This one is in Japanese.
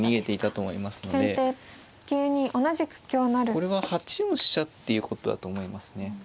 これは８四飛車っていうことだと思いますね。